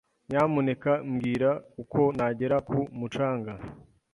Nyamuneka mbwira uko nagera ku mucanga.